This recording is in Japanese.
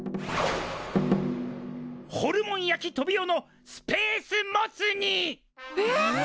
ホルモン焼きトビオのスペースモツ煮！えっ！？